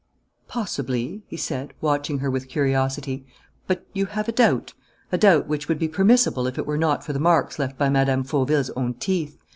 "Possibly," he said, watching her with curiosity, "but you have a doubt: a doubt which would be permissible if it were not for the marks left by Mme. Fauville's own teeth.